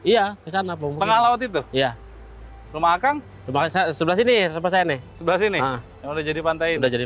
iya kesana pengalaman itu rumah akang sebelah sini sebelah sini sudah jadi